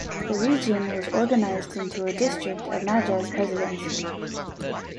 The region was organized into a district of Madras Presidency.